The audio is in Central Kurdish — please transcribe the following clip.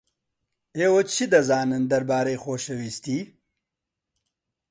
ئێوە چی دەزانن دەربارەی خۆشەویستی؟